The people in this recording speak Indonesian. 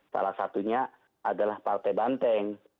salah satunya adalah partai banteng